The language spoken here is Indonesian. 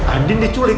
andin dia culik